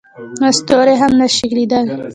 نو ستوري هم نه شي لیدلی.